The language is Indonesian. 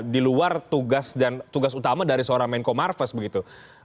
di luar tugas dan tugas utama dari seorang menko marves begitu